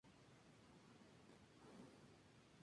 El Centro Cultural Ruso fue fundado por la Sociedad Rusa Pushkin.